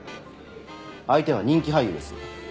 相手は人気俳優です。